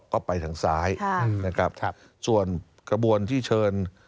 ก็ไปทางซ้ายส่วนกระบวนที่เชิญ